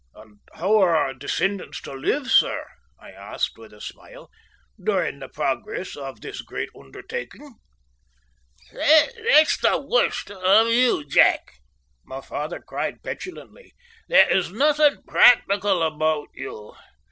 "And how are our descendants to live, sir," I asked, with a smile, "during the progress of this great undertaking:" "That's the worst of you, Jack," my father cried petulantly. "There is nothing practical about you.